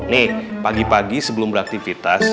nih pagi pagi sebelum beraktivitas